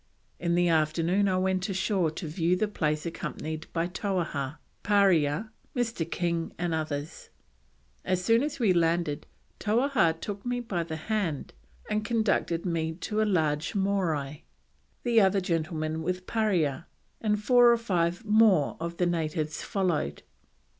In the afternoon I went ashore to view the place accompanied by Touahah, Parea, Mr. King and others; as soon as we landed Touahah took me by the hand and conducted me to a large Morai, the other gentlemen with Parea, and four or five more of the natives followed."